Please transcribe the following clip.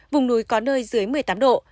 vùng núi có nơi dưới một mươi tám độ